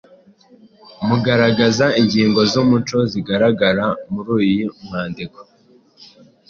Mugaragaze ingingo z’umuco zigaragara muri uyu mwandiko